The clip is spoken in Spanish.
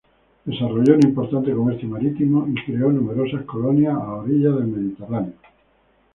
Desarrolló un importante comercio marítimo y creó numerosas colonias a orillas del Mediterráneo.